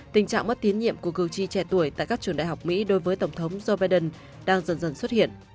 tình trạng mất tiến nhiệm của cử tri trẻ tuổi tại các trường đại học mỹ đối với tổng thống joe biden đang dần dần xuất hiện